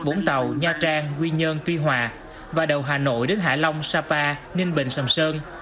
vũng tàu nha trang quy nhơn tuy hòa và đầu hà nội đến hạ long sapa ninh bình sầm sơn